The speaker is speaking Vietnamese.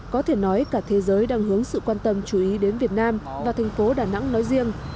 có thể nói cả thế giới đang hướng sự quan tâm chú ý đến việt nam và thành phố đà nẵng nói riêng